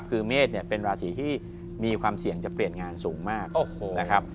คือเมษเป็นราศีที่มีความเสี่ยงจะเปลี่ยนงานสูงมาก